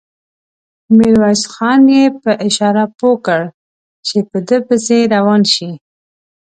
ميرويس خان يې په اشاره پوه کړ چې په ده پسې روان شي.